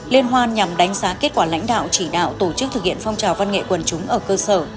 liên hoan nhằm đánh giá kết quả lãnh đạo chỉ đạo tổ chức thực hiện phong trào văn nghệ quần chúng ở cơ sở